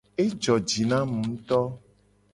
Ejo ji na mu nguto.